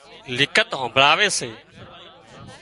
لکت همڀۯاوي سي